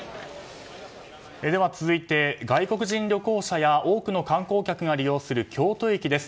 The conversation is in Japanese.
では、続いて外国人旅行者や多くの観光客が利用する京都駅です。